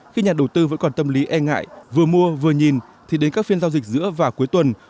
khi nhà đầu tư vẫn còn tâm lý e ngại vừa mua vừa nhìn thì đến các phiên giao dịch giữa và cuối tuần